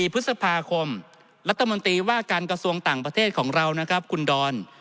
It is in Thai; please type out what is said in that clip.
พฤษภาคมรัฐมนตรีว่าการกระทรวงต่างประเทศของเรานะครับคุณดอน